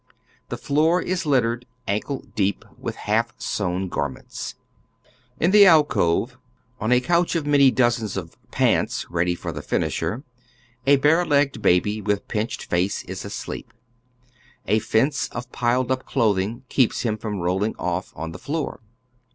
The floor is littered anlde deep with half sewn garments. In tlie alcove, on a conch of many dozens of "pants" ready for the fin isher, a bare legged baby with pinched face is asleep. A fence of piled np clothing keeps him from rolling off on the floor.